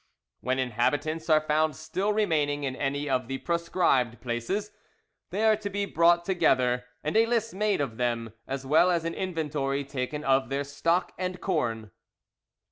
When inhabitants are found still remaining in any of the proscribed places, they are to be brought together, and a list made of them, as well as an inventory taken of their stock and corn.